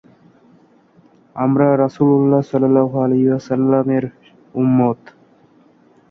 সিনেমাটি দর্শকদের কাছ থেকে ইতিবাচক পর্যালোচনা পেয়েছে।